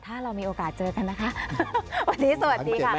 ถ้าเรามีโอกาสเจอกันนะคะวันนี้สวัสดีค่ะ